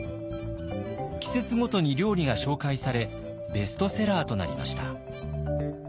季節ごとに料理が紹介されベストセラーとなりました。